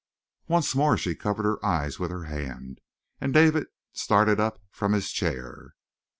Once more she covered her eyes with her hand, and David started up from his chair.